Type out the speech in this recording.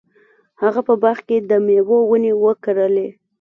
هغه په باغ کې د میوو ونې وکرلې.